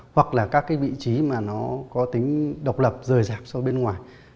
hoặc là các vị trí mà nó có tính độc lập rời rạp sau bên ngoài